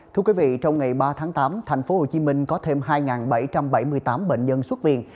thưa quý vị trong ngày ba tháng tám thành phố hồ chí minh có thêm hai bảy trăm bảy mươi tám bệnh nhân xuất viên